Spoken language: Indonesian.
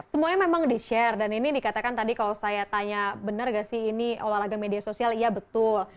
semuanya memang di share dan ini dikatakan tadi kalau saya tanya benar gak sih ini olahraga media sosial iya betul